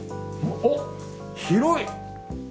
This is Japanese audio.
おっ広い！